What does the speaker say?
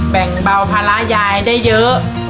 แบ่งเบาภาระยายได้เยอะ